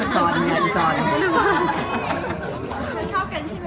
ชอบกันใช่ไหม